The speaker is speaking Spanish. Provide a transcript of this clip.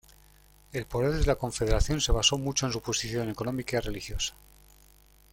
El poder de la Confederación se basó mucho en su posición económica y religiosa.